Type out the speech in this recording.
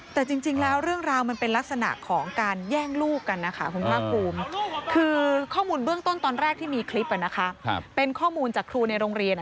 แต่จริงแล้วเรื่องราวมันเป็นลักษณะของการแย่งลูกกันนะคะคุณท่ากลุ่ม